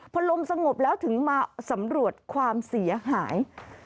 พอลมสงบแล้วถึงมาสำรวจความเสียหาย